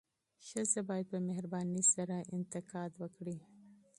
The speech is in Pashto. ښځه باید په مهربانۍ سره انتقاد وکړي.